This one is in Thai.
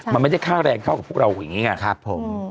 มันไม่ได้ค่าแรงเท่ากับพวกเราอย่างนี้ไงครับผม